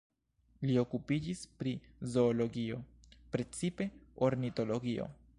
Li okupiĝis pri zoologio, precipe ornitologio.